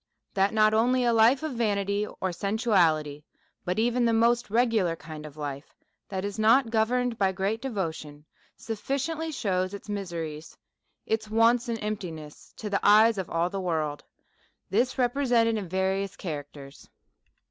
IThat 7iot only a Life of vanity or sensuality, but even the most regular kind of Life that is not governed by great Devotion, sufficiently shews its miseries, its wants, and emptiness, to the eyes of all the world ; this represented in various Characters.